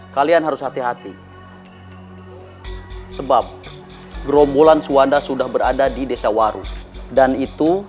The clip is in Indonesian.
kalian harus hati hati sebab gerombolan suwanda sudah berada di desa waru dan itu